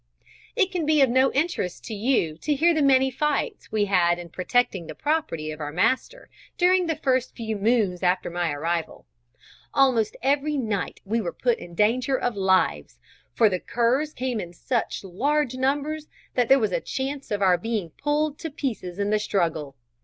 It can be of no interest to you to hear the many fights we had in protecting the property of our master during the first few moons after my arrival. Almost every night we were put in danger of lives, for the curs came in such large numbers that there was a chance of our being pulled to pieces in the struggle.